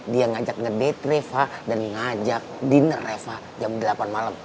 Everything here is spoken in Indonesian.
dia ngajak ngedet reva dan ngajak dinner reva jam delapan malam